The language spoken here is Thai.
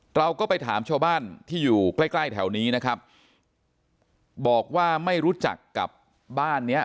เราก็ไปถามชาวบ้านที่อยู่ใกล้ใกล้แถวนี้นะครับบอกว่าไม่รู้จักกับบ้านเนี้ย